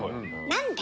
何で？